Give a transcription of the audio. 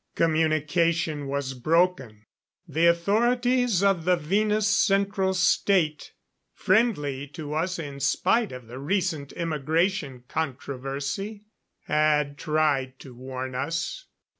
Communication was broken. The authorities of the Venus Central State friendly to us in spite of the recent immigration controversy had tried to warn us.